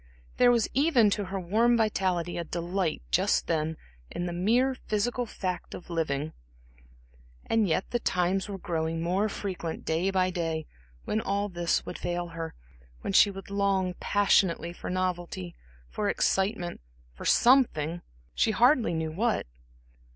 There was even to her warm vitality a delight just then in the mere physical fact of living. And yet the times were growing more frequent day by day, when all this would fail her, when she would long passionately for novelty, for excitement, for something she hardly knew what.